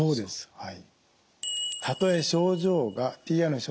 はい。